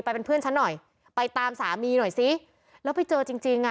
ไปเป็นเพื่อนฉันหน่อยไปตามสามีหน่อยซิแล้วไปเจอจริงจริงอ่ะ